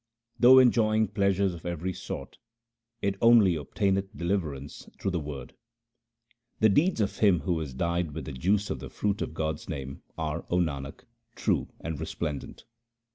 Though enjoying pleasures of every sort, it only obtaineth deliverance through the Word. The deeds of him who is dyed with the juice of the fruit of God's name, are, O Nanak, true and resplendent.